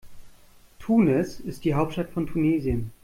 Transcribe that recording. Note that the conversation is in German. Tunis ist die Hauptstadt von Tunesien.